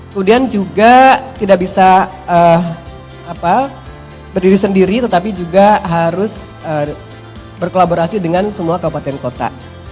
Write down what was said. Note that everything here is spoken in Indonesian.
kemudian juga tidak bisa berdiri sendiri tetapi juga harus berkolaborasi dengan semua kabupaten kota